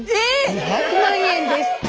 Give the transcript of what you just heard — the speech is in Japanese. ⁉２００万円です！